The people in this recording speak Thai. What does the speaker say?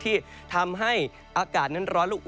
ที่ทำให้อากาศนั้นร้อนลูกอุ